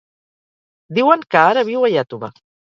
Diuen que ara viu a Iàtova.